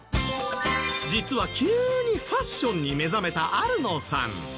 実は急にファッションに目覚めたアルノーさん。